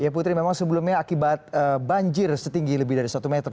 ya putri memang sebelumnya akibat banjir setinggi lebih dari satu meter